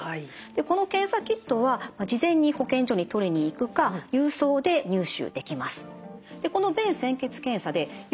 この検査キッドは事前に保健所に取りに行くか郵送で入手できます。